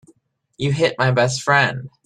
You hit my best friend.